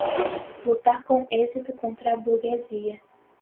lutar com êxito contra a burguesia